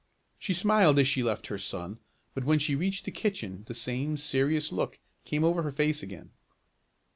She smiled as she left her son, but when she reached the kitchen the same serious look came over her face again.